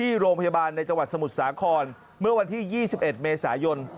ที่โรงพยาบาลในจังหวัดสมุทรสาครเมื่อวันที่๒๑เมษายน